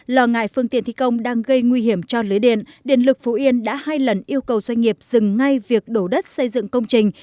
lo ngại phương tiện thi công đang gây nguy hiểm cho lưới điện điện lực phú yên đã hai lần yêu cầu doanh nghiệp dừng ngay việc đổ đất xây dựng công trình